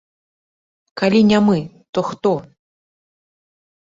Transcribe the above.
Калі не мы, то хто?